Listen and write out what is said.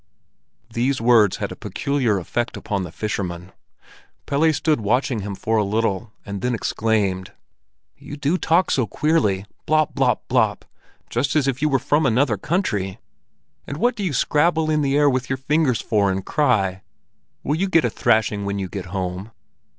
These words had a peculiar effect upon the fisherman. Pelle stood watching him for a little, and then exclaimed: "You do talk so queerly—'blop blop blop,' just as if you were from another country. And what do you scrabble in the air with your fingers for, and cry? Will you get a thrashing when you get home?"